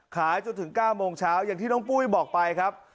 ขายจนถึง๙โมงเช้าอย่างที่น้องปุ้ยบอกไปครับ